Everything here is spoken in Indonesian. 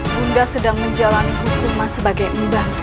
ibu bunda sedang menjalani hukuman sebagai umbang